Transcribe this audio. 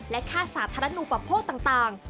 และค่าสาธารณูปโภคต่าง